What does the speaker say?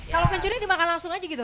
kalau kencurnya dimakan langsung aja gitu